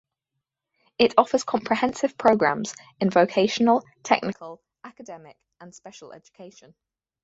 It offers comprehensive programs in vocational, technical, academic and special education.